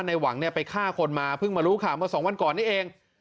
ในหวังไปฆ่าคนมาเพิ่งมารู้ข่าวเมื่อสองวันก่อนนี้เอง